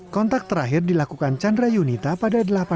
kontak terakhir dilakukan chandra yunita pada dua ribu delapan belas